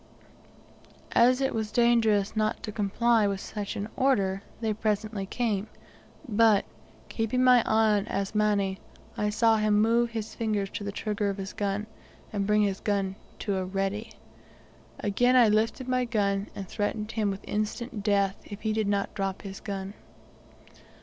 As it was dangerous not to comply with such an order, they presently came, but, keeping my eye on Asmani, I saw him move his fingers to the trigger of his gun, and bring his gun to a "ready." Again I lifted my gun, and threatened him with instant death, if he did not drop his gun.